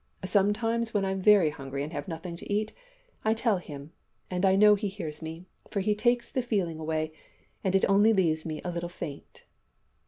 Sometimes, when I'm very hungry and have nothing to eat, I tell Him, and I know He hears me, for He takes the feeling away, and it only leaves me a little faint.'